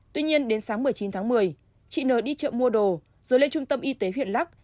tuy nhiên đến sáng một mươi chín tháng một mươi chị nờ đi chợ mua đồ rồi lên trung tâm y tế huyện lắc